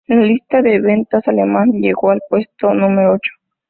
En la lista de ventas alemana llegó al puesto número ocho.